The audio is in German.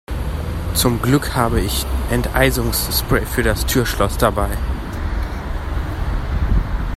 Zum Glück habe ich Enteisungsspray für das Türschloss dabei.